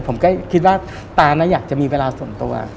ผมก็คิดว่าตาน่าจะมีเวลาส่วนตัว